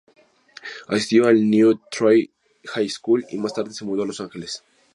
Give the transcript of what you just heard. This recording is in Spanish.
Asistió al New Trier High School y más tarde se mudó a Los Ángeles.